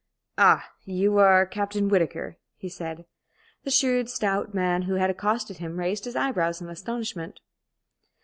"Ah, you are Captain Whittaker," he said. The shrewd, stout man who had accosted him raised his eyebrows in astonishment.